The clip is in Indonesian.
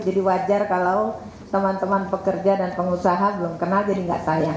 jadi wajar kalau teman teman pekerja dan pengusaha belum kenal jadi nggak sayang